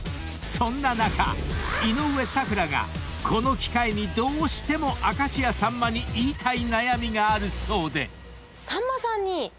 そんな中井上咲楽がこの機会にどうしても明石家さんまに言いたい悩みがあるそうで］